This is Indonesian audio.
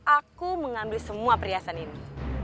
aku mengambil semua perhiasan ini